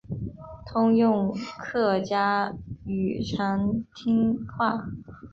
通用客家语长汀话。